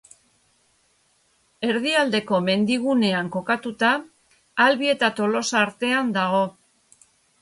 Erdialdeko Mendigunean kokatuta, Albi eta Tolosa artean dago.